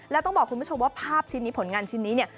แล้วต้องบอกคุณผู้ชมว่าภาพชิ้นนี้ผลงานชิ้นนี้เนี่ย